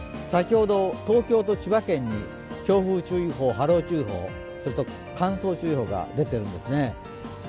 先ほど東京と千葉県に強風注意報・波浪注意報、それと乾燥注意報が出ているんですね。